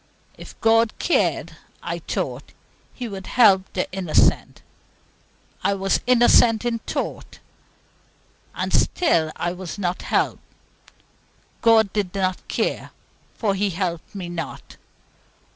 If God cared, I thought, He would help the innocent. I was innocent in thought, and still I was not helped. God did not care, for He helped me not.